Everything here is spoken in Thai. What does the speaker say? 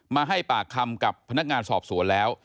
มาให้ปากคำกับพนักงานสอบสวนแล้ว